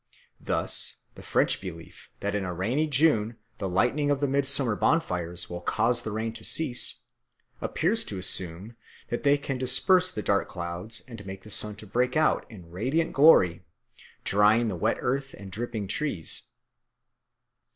Thus, the French belief that in a rainy June the lighting of the midsummer bonfires will cause the rain to cease appears to assume that they can disperse the dark clouds and make the sun to break out in radiant glory, drying the wet earth and dripping trees.